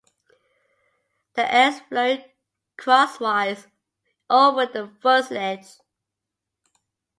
The air is flowing crosswise over the fuselage.